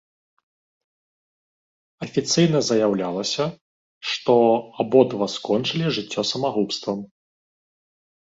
Афіцыйна заяўлялася, што абодва скончылі жыццё самагубствам.